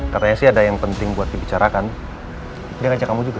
katanya sih ada yang penting buat dibicarakan dia ngajak kamu juga